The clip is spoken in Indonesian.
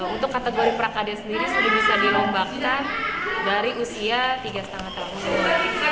untuk kategori prakade sendiri sudah bisa dilombakan dari usia tiga lima tahun